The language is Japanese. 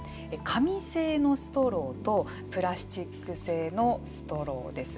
紙製のストローとプラスチック製のストローです。